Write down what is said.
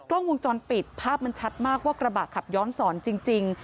กล้องวงจรปิดภาพมันชัดมากว่ากระบะขับย้อนสอนจริง